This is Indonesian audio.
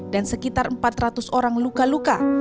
dan sekitar empat ratus orang luka luka